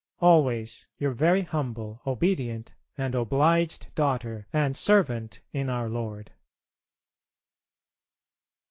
Always your very humble, obedient, and obliged daughter, and servant in Our Lord.